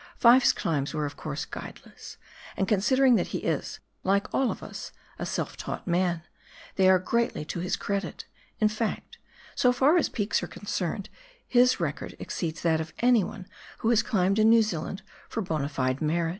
Fyfe's climbs were of course guideless, and considering that he is — like all of us — a self taught man, they are greatly to his credit ; in fact, so far as peaks are concerned, his record exceeds that of anyone who has climbed in New Zealand for lona fide merit.